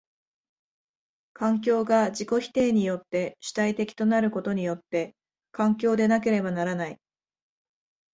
環境が自己否定によって主体的となることによって環境でなければならない。